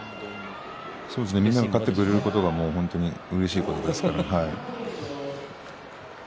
みんなが勝ってくれることが本当にうれしいことですから。